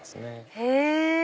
へぇ！